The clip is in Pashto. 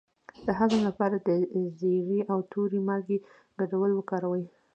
د هضم لپاره د زیرې او تورې مالګې ګډول وکاروئ